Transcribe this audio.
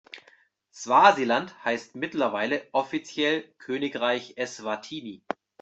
Swasiland heißt mittlerweile offiziell Königreich Eswatini.